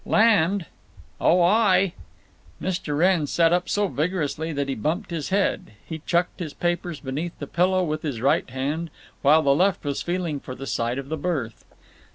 "Land?" "Oh aye." Mr. Wrenn sat up so vigorously that he bumped his head. He chucked his papers beneath the pillow with his right hand, while the left was feeling for the side of the berth.